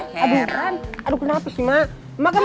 ya aduh peran